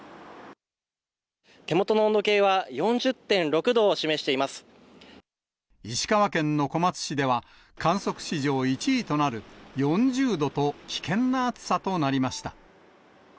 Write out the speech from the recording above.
手元の温度計は４０．６度を石川県の小松市では、観測史上１位となる４０度と危険な暑さとなりました。